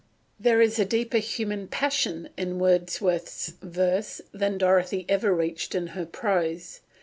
There is a deeper human passion in Wordsworth's verse than Dorothy ever reached in her prose.